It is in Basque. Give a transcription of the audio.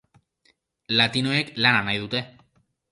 Latinoek lana nahi dute.